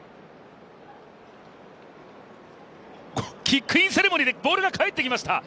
キックインセレモニーでボールが帰ってきました！